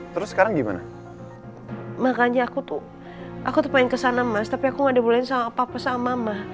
terus sekarang gimana makanya aku tuh aku tuh main kesana mas tapi aku nggak diboleh sama papa sama